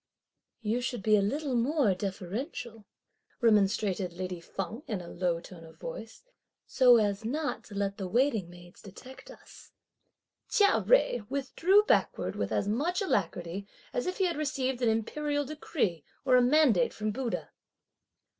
"You should be a little more deferential," remonstrated lady Feng in a low tone of voice, "so as not to let the waiting maids detect us." Chia Jui withdrew backward with as much alacrity as if he had received an Imperial decree or a mandate from Buddha.